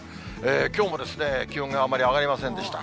きょうも気温あまり上がりませんでした。